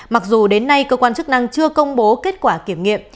mặc dù đến nay cơ quan chức năng chưa công bố kết quả kiểm nghiệm